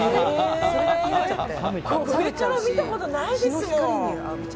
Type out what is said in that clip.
上から見たことないですよ。